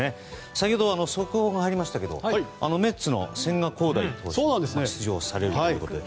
先ほど、速報が入りましたがメッツの千賀滉大投手が出場されるということで。